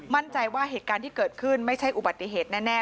มั่นใจว่าเหตุการณ์ที่เกิดขึ้นไม่ใช่อุบัติเหตุแน่